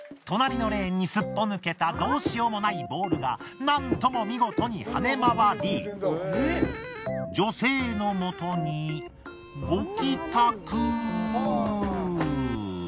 隣のレーンにすっぽ抜けたどうしようもないボールがなんとも見事に跳ね回り女性のもとにご帰宅。